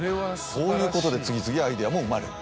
こういうことで次々アイデアも生まれる。